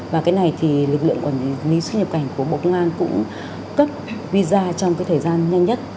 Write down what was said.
và cái này thì lực lượng quản lý xuất nhập cảnh của bộ công an cũng cấp visa trong cái thời gian nhanh nhất